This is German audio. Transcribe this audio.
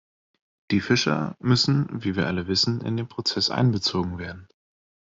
Die Fischer müssen, wie wir alle wissen, in den Prozess einbezogen werden.